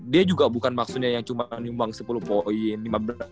dia juga bukan maksudnya yang cuman nyumbang sepuluh poin lima belas poin